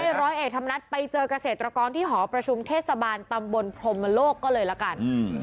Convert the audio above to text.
ร้อยเอกธรรมนัฐไปเจอเกษตรกรที่หอประชุมเทศบาลตำบลพรมโลกก็เลยละกัน